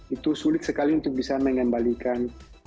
itu sulit sekali untuk bisa mengembalikan